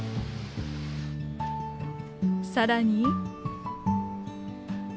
更に。